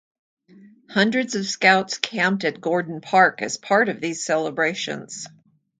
Hundreds of Scouts camped at Gordon Park as part of these celebrations.